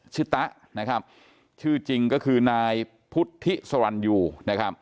ตะนะครับชื่อจริงก็คือนายพุทธิสรรยูนะครับ